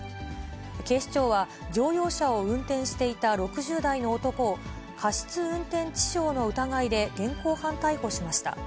警視庁は乗用車を運転していた６０代の男を、過失運転致傷の疑いで現行犯逮捕しました。